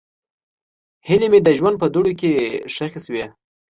هیلې مې د ژوند په دوړو کې ښخې شوې.